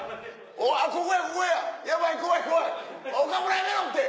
ここやここやヤバい怖い怖い岡村やめろって。